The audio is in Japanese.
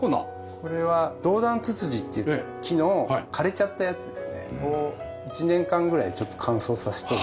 これはドウダンツツジっていう木の枯れちゃったやつですね。を１年間ぐらいちょっと乾燥させておいて。